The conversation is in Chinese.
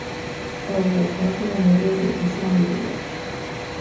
呃，我才出门没多久，就下雨了